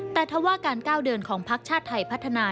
แต่ถ้าว่าการก้าวเดินของพักชาติไทยพัฒนา